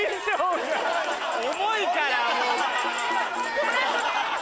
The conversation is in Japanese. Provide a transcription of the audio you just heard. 重いから。